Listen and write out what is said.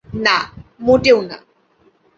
না, মোটেও না।